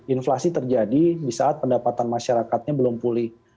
inflasi terjadi di saat pendapatan masyarakatnya belum pulih